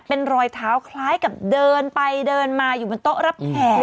เป็นรอยเท้าคล้ายกับเดินไปเดินมาอยู่บนโต๊ะรับแขก